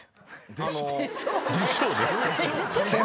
「でしょうね」って。